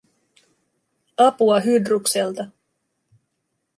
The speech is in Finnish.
Apua Hydrukselta